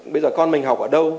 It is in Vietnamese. bây giờ con mình học ở đâu